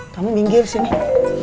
kamu minggir sini